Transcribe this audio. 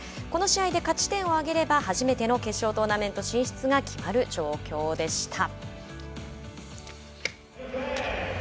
この試合で勝ち点を上げれば初めての決勝トーナメント進出が決まる状況でした。